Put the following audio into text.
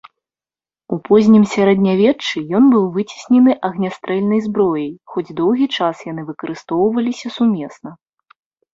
У познім сярэднявеччы ён быў выцеснены агнястрэльнай зброяй, хоць доўгі час яны выкарыстоўваліся сумесна.